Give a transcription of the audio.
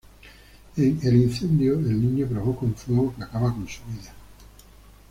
En "El incendio", el niño provoca un fuego que acaba con su vida.